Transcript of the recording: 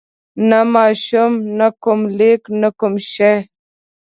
نه ماشوم نه کوم لیک نه کوم شعر.